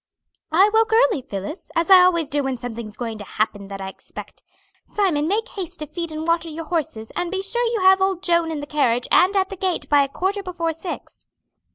"I woke early, Phillis, as I always do when something's going to happen that I expect. Simon make haste to feed and water your horses and be sure you have old Joan in the carriage and at the gate by a quarter before six."